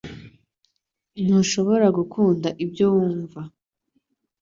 Ntushobora gukunda ibyo wumva